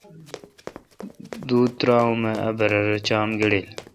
دو ترا ام اے°برر چام گڑیل۔